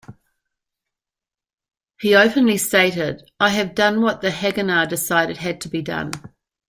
He openly stated: I have done what the Haganah decided had to be done.